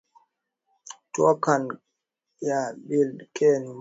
toucan ya billed keel ni mbali na hatari